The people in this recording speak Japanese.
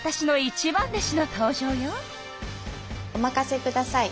おまかせください。